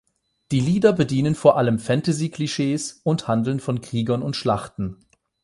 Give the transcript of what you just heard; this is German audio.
Die Lieder bedienen vor allem Fantasy-Klischees und handeln von Kriegern und Schlachten.